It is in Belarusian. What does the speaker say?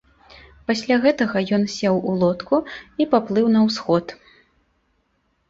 Пасля гэтага ён сеў у лодку і паплыў на ўсход.